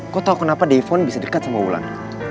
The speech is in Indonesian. kau tahu kenapa devon bisa dekat sama mugulan